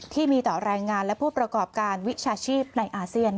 ที่มีต่อแรงงานและผู้ประกอบการวิชาชีพในอาเซียน